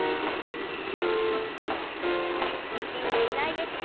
力んでいないですか？